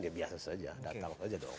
ya biasa saja datang saja dong